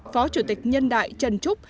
phó chủ tịch nhân đại trần trúc